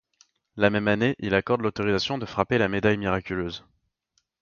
La même année, il accorde l'autorisation de frapper la médaille miraculeuse.